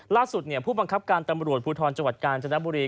ผู้บังคับการตำรวจภูทรจังหวัดกาญจนบุรี